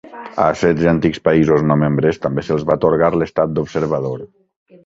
A setze antics països no membres també se'ls va atorgar l'estat d'observador.